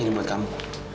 ini buat kamu